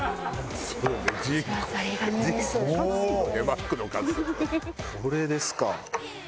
これですか。